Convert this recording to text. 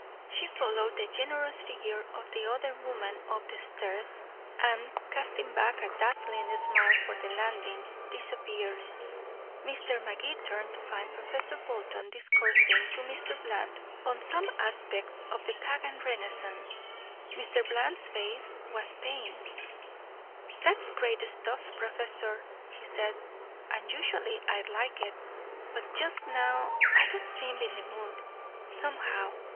She followed the generous figure of the other woman up the stair and, casting back a dazzling smile from the landing, disappeared. Mr. Magee turned to find Professor Bolton discoursing to Mr. Bland on some aspects of the Pagan Renaissance. Mr. Bland's face was pained. "That's great stuff, Professor," he said, "and usually I'd like it. But just now I don't seem in the mood, somehow.